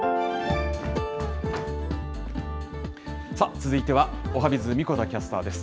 続いてはおはＢｉｚ、神子田キャスターです。